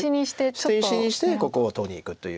捨て石にしてここを取りにいくという。